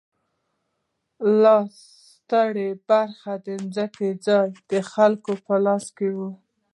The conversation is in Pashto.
لا هم ستره برخه ځمکې د ځايي خلکو په لاس کې وه.